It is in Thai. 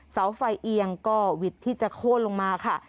เสาไฟเอียงก็วิทย์ที่จะโค้นลงมาค่ะ